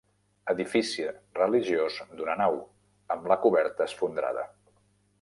Edifici religiós d'una nau, amb la coberta esfondrada.